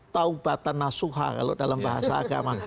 taubatana suha kalau dalam bahasa agama